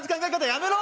やめろ